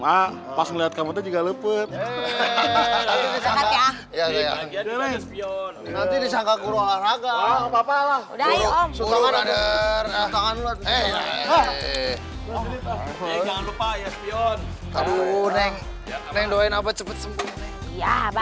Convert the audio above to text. mak pas melihat kamu juga lepet ya nanti disangka kurang agak agak